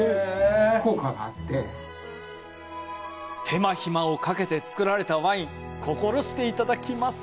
手間暇をかけて造られたワイン、心していただきます。